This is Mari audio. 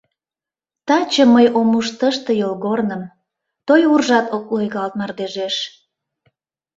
Таче мый ом уж тыште йолгорным, Той уржат ок лойгалт мардежеш.